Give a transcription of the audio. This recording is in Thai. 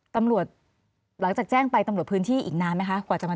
ตำรวจหลังจากแจ้งไปตำรวจพื้นที่อีกนานไหมคะกว่าจะมา